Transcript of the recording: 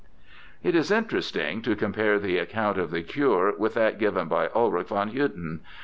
It is interesting to compare the account of the cure with that given by Ulrich von Hutten.